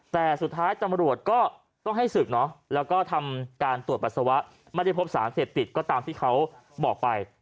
แต่สุดท้ายตำรวจก็ต้องให้ศึกเนาะแล้วก็ทำการตรวจปัสสาวะไม่ได้พบสารเสพติดก็ตามที่เขาบอกไป